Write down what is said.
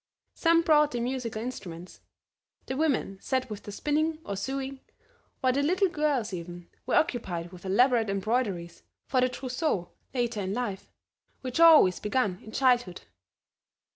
Some brought their musical instruments; the women sat with their spinning or sewing, while the little girls even, were occupied with elaborate embroideries for their trousseaux later in life, which are always begun in childhood.